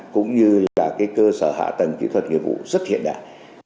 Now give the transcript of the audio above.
cũng như cơ sở hạ tầng kỹ thuật nghiệp vụ rất hiện đại